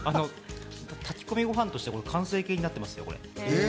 炊き込みごはんとして、完成形になってますね。